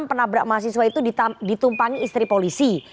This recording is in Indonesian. penabrak mahasiswa itu ditumpangi istri polisi